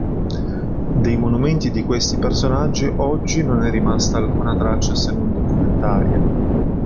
Dei monumenti di questi personaggi oggi non è rimasta alcuna traccia se non documentaria.